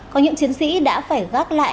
có những chiến sĩ đã phải gác lại